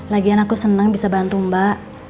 lagian aku senang bisa bantu mbak